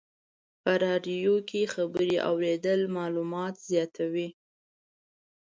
په رادیو کې خبرې اورېدل معلومات زیاتوي.